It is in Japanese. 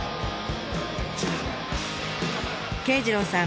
圭次郎さん